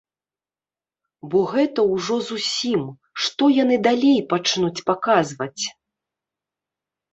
Бо гэта ўжо зусім, што яны далей пачнуць паказваць?